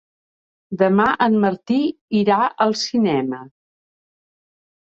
Demà en Martí irà al cinema.